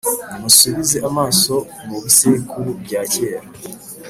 Nimusubize amaso mu bisekuru bya kera